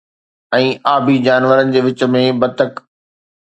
۽ آبي جانورن جي وچ ۾ بتڪ